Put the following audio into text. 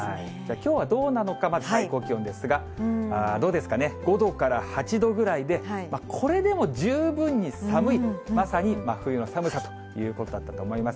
きょうはどうなのか、まず最高気温ですが、どうですかね、５度から８度ぐらいで、これでも十分に寒い、まさに真冬の寒さということだったと思います。